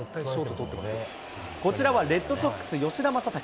こちらはレッドソックス、吉田正尚。